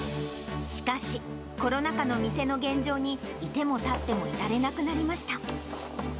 しかし、コロナ禍の店の現状にいてもたってもいられなくなりました。